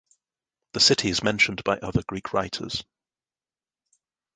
The city is mentioned by other Greek writers.